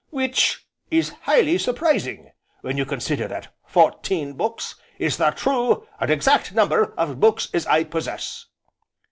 Which is highly surprising when you consider that fourteen books is the true, and exact number of books as I possess."